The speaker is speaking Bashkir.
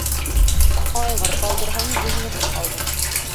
Айғыр ҡалдырһаң, йүнлеһен ҡалдыр